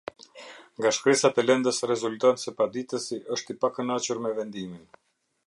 Nga shkresat e lëndës rezulton se paditësi, është i pa kënaqur me vendimin.